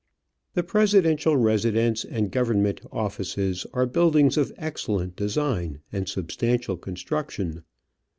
The Presidential residence and Govern ment offices are buildings of excellent design and substantial construction.